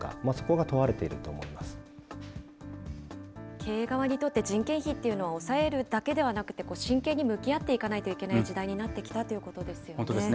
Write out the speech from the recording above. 経営側にとって、人件費っていうのは抑えるだけではなくて、真剣に向き合っていかないといけない時代になってきたということ本当ですね。